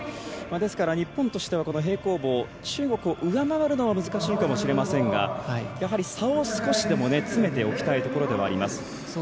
ですから日本としては平行棒中国を上回るのは難しいかもしれませんが、やはり差を少しでも詰めておきたいところではあります。